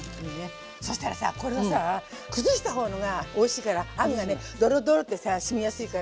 そしたらさこれをさ崩したほうがおいしいからあんがねドロドロってさしみやすいから。